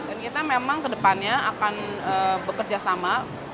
dan kita memang kedepannya akan bekerja sama